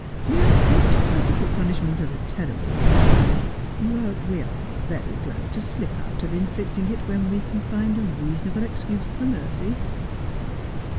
We accept capital punishment as a terrible necessity ; but we are very glad to slip out of inflicting it when we can find a reasonable excuse for mercy.'